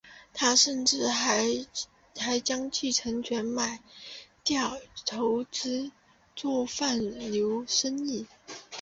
他甚至还将继承权卖掉筹资做贩牛生意。